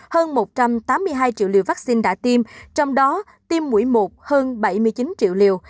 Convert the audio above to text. hơn một trăm tám mươi hai triệu liều vaccine đã tiêm trong đó tiêm mũi một hơn bảy mươi chín triệu liều